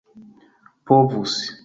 povus